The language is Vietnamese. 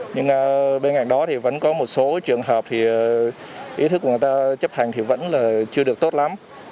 nhưng bên cạnh đó thì vẫn có một số trường hợp thì ý thức của người ta chấp hành thì vẫn là chưa được tốt lắm